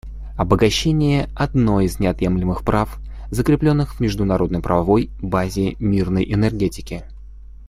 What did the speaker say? Обогащение — одно из неотъемлемых прав, закрепленных в международно-правовой базе мирной энергетики.